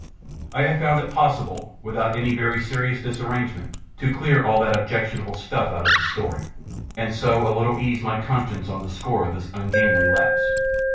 I have found it possible, without any very serious disarrangement, to clear all that objectionable stuff out of the story, and so a little ease my conscience on the score of this ungainly lapse.